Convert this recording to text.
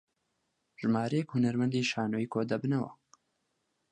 ژمارەیەک هونەرمەندی شانۆێکۆدەبنەوە